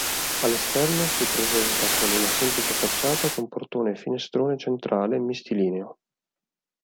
All'esterno si presenta con una semplice facciata con portone e finestrone centrale mistilineo.